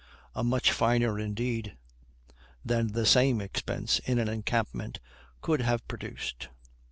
A much finer, indeed, than the same expense in an encampment could have produced.